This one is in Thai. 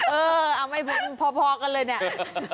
เออเอาไม่พอกันเลยเนี่ย